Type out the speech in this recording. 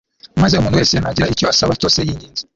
maze umuntu wese nagira icyo asaba cyose yinginze